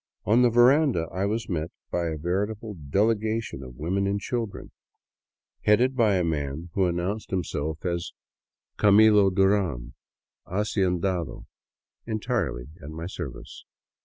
On the veranda I was met by a veritable delega tion of women and children, headed by a man who announced himself 78 ALONG THE CAUCA VALLEY as Camilo Duran, hacendado, entirely at my service.